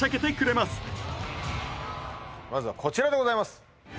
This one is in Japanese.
まずはこちらでございます